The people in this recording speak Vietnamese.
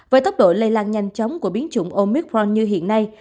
với tốc độ lây lan nhanh chóng của biến chủng omicron như hiện nay